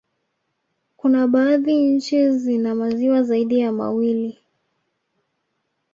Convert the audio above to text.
Kuna baadhi nchi zina maziwa zaidi ya mawili